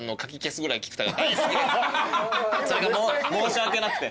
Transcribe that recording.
それが申し訳なくて。